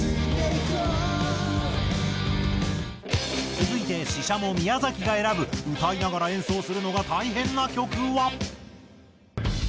続いてＳＨＩＳＨＡＭＯ宮崎が選ぶ歌いながら演奏するのが大変な曲は。